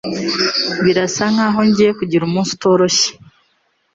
Birasa nkaho ngiye kugira umunsi utoroshye.